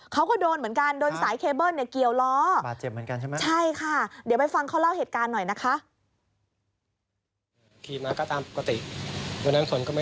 เขาก็โดนเหมือนกันโดนสายเคเบิลเนี่ยเกี่ยวล้อ